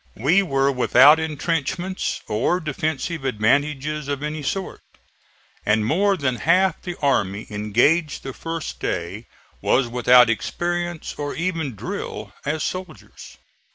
We were without intrenchments or defensive advantages of any sort, and more than half the army engaged the first day was without experience or even drill as soldiers.